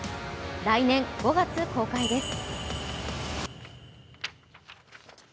来年５月公開です。